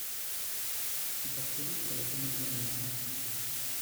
Si trasferì con la famiglia a Milano.